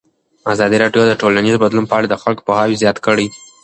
ازادي راډیو د ټولنیز بدلون په اړه د خلکو پوهاوی زیات کړی.